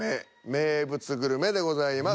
「名物グルメ」でございます。